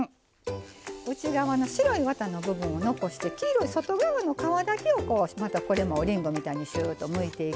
内側の白いワタの部分を残して黄色い外側の皮だけをこうまたこれもおりんごみたいにしゅーっとむいていきますね。